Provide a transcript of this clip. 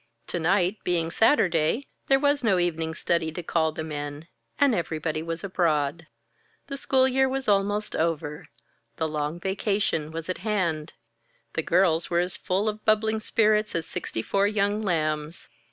To night, being Saturday, there was no evening study to call them in, and everybody was abroad. The school year was almost over, the long vacation was at hand the girls were as full of bubbling spirits as sixty four young lambs.